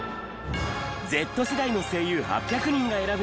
Ｚ世代の声優８００人が選ぶ！